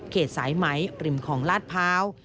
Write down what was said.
เขตสายไหมริมของลาดเภา